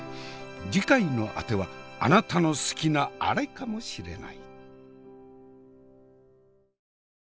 次回のあてはあなたの好きなアレかもしれない。